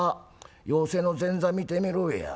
寄席の前座見てみろや。